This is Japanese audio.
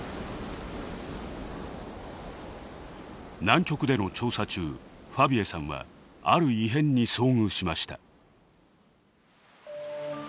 南極での調査中ファヴィエさんはある異変に遭遇しました。